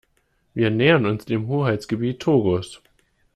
Wir nähern uns dem Hoheitsgebiet Togos.